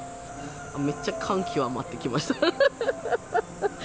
めっちゃ感極まってきました。